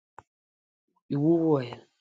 يوه وويل: